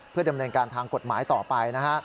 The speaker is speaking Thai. เพื่อดำเนินการทางกฎหมายต่อไปนะฮะ